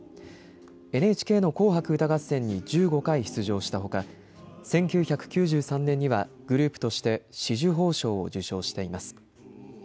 ＮＨＫの紅白歌合戦に１５回出場したほか１９９３年にはグループとして紫綬褒章を受章しています。